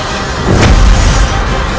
aku tidak percaya